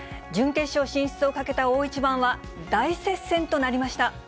準決勝進出をかけた大一番は、大接戦となりました。